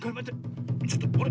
ちょっとあれ？